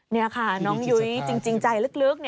นี่ค่ะน้องยุ้ยจริงใจลึก